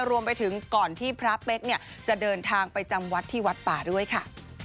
รวมไปถึงก่อนที่พระเป๊กเนี่ยจะเดินทางไปจำวัดที่วัดป่าด้วยค่ะ